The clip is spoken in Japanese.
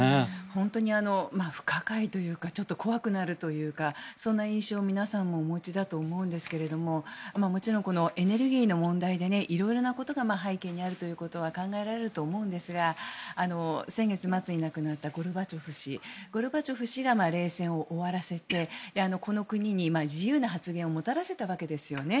本当に不可解というかちょっと怖くなるというかそんな印象を皆さんもお持ちだと思うんですがもちろんエネルギーの問題で色々なことが背景にあることは考えられると思うんですが先月末に亡くなったゴルバチョフ氏ゴルバチョフ氏が冷戦を終わらせてこの国に自由な発言をもたらしたわけですよね。